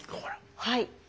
はい。